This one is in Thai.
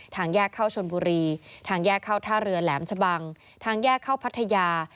ทางแยกเข้าชนบุรีทางแยกเข้าท่าเรือแหลมชะบังทางแยกเข้าพัทยา